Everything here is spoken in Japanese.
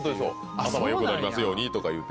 頭良くなりますようにとか言うて。